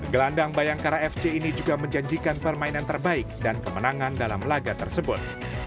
gelandang bayangkara fc ini juga menjanjikan permainan terbaik dan kemenangan dalam laga tersebut